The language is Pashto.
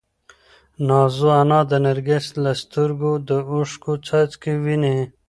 نازو انا د نرګس له سترګو د اوښکو څاڅکي ویني.